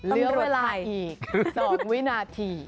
เหลือเวลาอีก๒วินาที